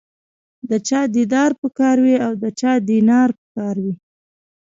د چا دیدار په کار وي او د چا دینار په کار وي.